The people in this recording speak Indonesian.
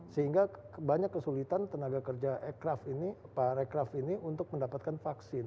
sehingga banyak kesulitan tenaga kerja aircraft ini pak rekraf ini untuk mendapatkan vaksin